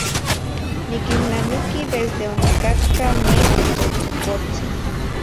Niquilnamiqui desde onicatca neh tzotzocotzi.